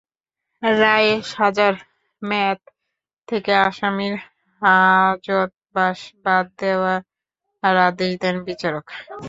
রায়ে সাজার মেয়াদ থেকে আসামির হাজতবাস বাদ দেওয়ার আদেশ দেন বিচারক।